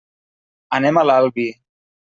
Anem a l'Albi.